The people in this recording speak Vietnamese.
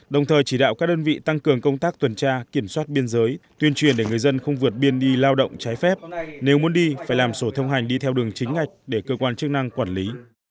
đồng thời chỉ đạo các đơn vị tăng cường công tác tuần tra kiểm soát biên giới tuyên truyền để người dân không vượt biên đi lao động trái phép nếu muốn đi phải làm sổ thông hành đi theo đường chính ngạch để cơ quan chức năng quản lý